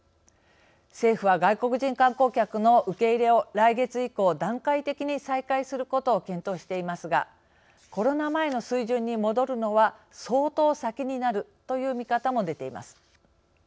政府は外国人観光客の受け入れを来月以降段階的に再開することを検討していますがコロナ前の水準に戻るのは相当先になるという見方も出ています。